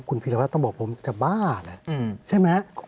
คุณผลลัพธ์ต้องบอกผมจะบ้าเลยใช่ไหมครับ